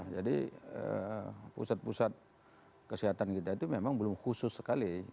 jadi pusat pusat kesehatan kita itu memang belum khusus sekali